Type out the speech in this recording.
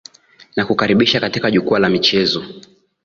nakukaribisha katika jukwaa la michezo